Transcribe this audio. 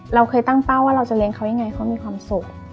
เราเคยตั้งเป้าว่าเราจะเลี้ยงเขายังไงเขามีความสุข